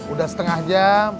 udah setengah jam